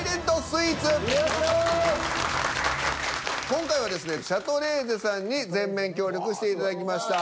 今回はですね「シャトレーゼ」さんに全面協力していただきました。